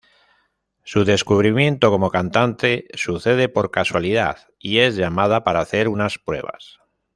Su descubrimiento como cantante sucede por casualidad y es llamada para hacer unas pruebas.